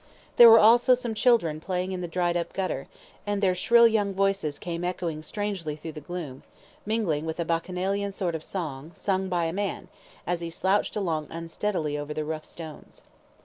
There were also some children playing in the dried up gutter, and their shrill young voices came echoing strangely through the gloom, mingling with a bacchanalian sort of song, sung by a man, as he slouched along unsteadily over the rough stones.